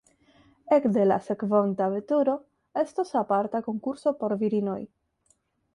Ekde la sekvonta veturo estos aparta konkurso por virinoj.